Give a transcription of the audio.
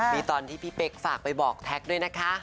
มีตอนที่พี่เป๊กฝากไปบอกแท็กด้วยนะคะ